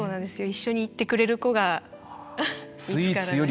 一緒に行ってくれる子が見つからない。